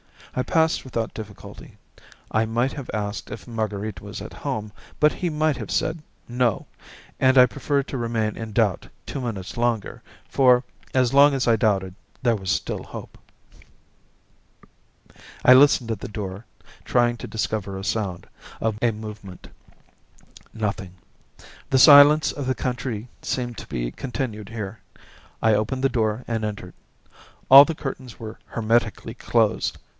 I passed without difficulty. I might have asked if Marguerite was at home, but he might have said "No," and I preferred to remain in doubt two minutes longer, for, as long as I doubted, there was still hope. I listened at the door, trying to discover a sound, a movement. Nothing. The silence of the country seemed to be continued here. I opened the door and entered. All the curtains were hermetically closed.